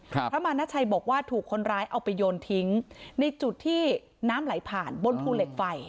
พระมานาชัยบอกว่าถูกคนร้ายเอาไปโยนทิ้งในจุดที่น้ำไหลผ่านบนภูเหล็กไฟ